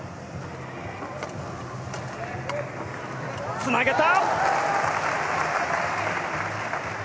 つなげた！